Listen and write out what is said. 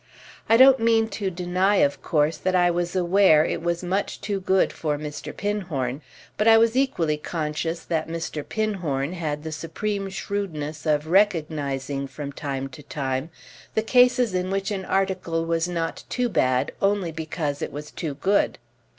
I don't mean to deny of course that I was aware it was much too good for Mr. Pinhorn; but I was equally conscious that Mr. Pinhorn had the supreme shrewdness of recognising from time to time the cases in which an article was not too bad only because it was too good.